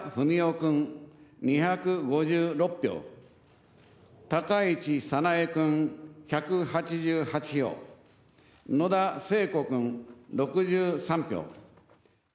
君２５６票、高市早苗君１８８票、野田聖子君６３票。